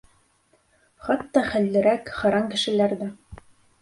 Хатта хәллерәк, һаран кешеләр ҙә.